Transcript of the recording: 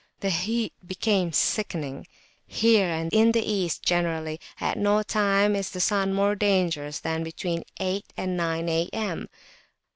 The heat became sickening; here, and in the East generally, at no time is the sun more dangerous than between eight and nine A.M.